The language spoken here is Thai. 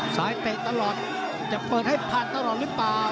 เตะตลอดจะเปิดให้ผ่านตลอดหรือเปล่า